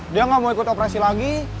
dia nggak mau ikut operasi lagi